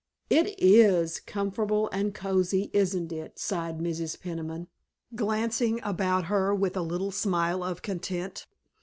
"It is comfortable and cozy, isn't it?" sighed Mrs. Peniman, glancing about her with a little smile of content.